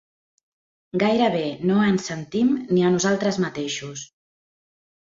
Gairebé no ens sentim ni a nosaltres mateixos.